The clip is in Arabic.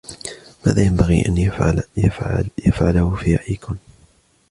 ماذا ينبغي أن يفعله في رأيكن؟